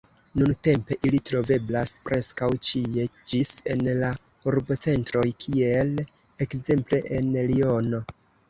Nuntempe ili troveblas preskaŭ ĉie ĝis en la urbocentroj, kiel ekzemple en Liono.